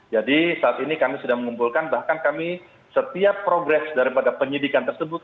jadi saat ini kami sudah mengumpulkan bahkan kami setiap progres daripada penyedihkan tersebut